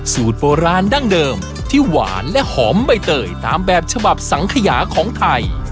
สูตรโบราณดั้งเดิมที่หวานและหอมใบเตยตามแบบฉบับสังขยาของไทย